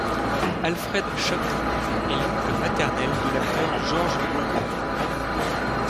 Alfred Chapon est l'oncle maternel de l'acteur Georges Mauloy.